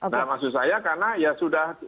nah maksud saya karena ya sudah